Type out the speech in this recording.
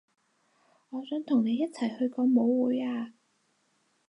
我想同你一齊去個舞會啊